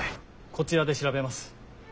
こちらで調べます。